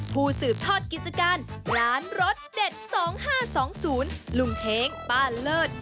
ผู้สืบทอดกิจการร้านรสเด็ด๒๕๒๐ลุงเท้งป้าเลิศ